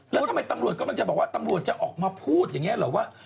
แล้วทำไมตำรวจกำลังจะบอกว่าตำรวจจะออกมาพูดอย่างนี้เหรอว่า